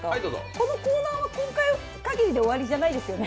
このコーナーは今回かぎりで終わりじゃないですよね。